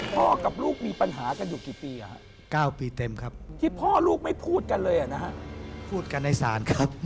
พ่อกับลูกมีปัญหากันอยู่กี่ปีอ่ะ